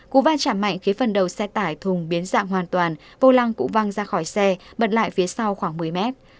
cú va chạm mạnh khiến phần đầu xe tải thùng biến dạng hoàn toàn vô lăng cũng văng ra khỏi xe bật lại phía sau khoảng một mươi mét